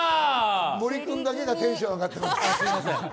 森君だけがテンション上がってます。